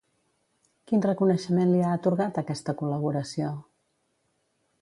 Quin reconeixement li ha atorgat aquesta col·laboració?